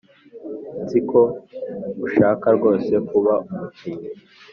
“nzi ko ushaka rwose kuba umukinnyi,